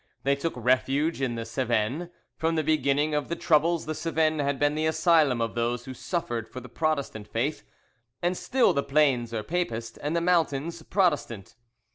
They took refuge in the Cevennes. From the beginning of the troubles the Cevennes had been the asylum of those who suffered for the Protestant faith; and still the plains are Papist, and the mountains Protestant.